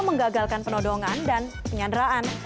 menggagalkan penodongan dan penyanderaan